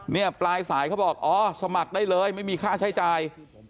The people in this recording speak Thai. ปลายสายเขาบอกอ๋อสมัครได้เลยไม่มีค่าใช้จ่าย